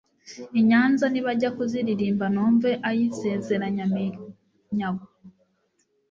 I Nyanza nibajya kuziririmbaNumve iy' Insezeranyaminyago.